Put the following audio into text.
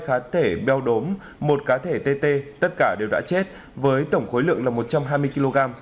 hai cá thể beo đốm một cá thể tê tê tất cả đều đã chết với tổng khối lượng là một trăm hai mươi kg